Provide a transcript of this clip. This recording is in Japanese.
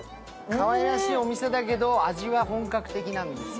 かわいらしいお店だけど、味は本格的なんですよ。